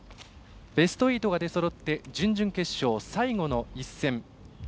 ベスト８が出そろって準々決勝最後の１戦。